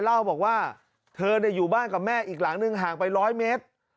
เล่าบอกว่าเธออยู่บ้านกับแม่อีกหลังหนึ่งห่างไป๑๐๐เมตร